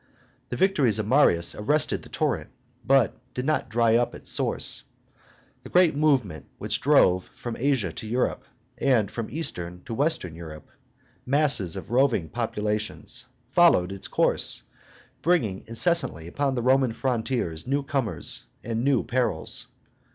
The victories of Marius arrested the torrent, but did not dry up its source. The great movement which drove from Asia to Europe, and from eastern to western Europe, masses of roving populations, followed its course, bringing incessantly upon the Roman frontiers new comers and new perils.